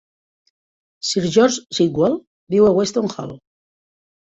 Sir George Sitwell viu a Weston Hall.